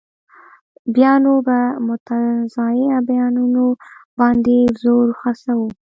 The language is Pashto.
بیا نو په متنازعه بیانونو باندې زور خرڅوو.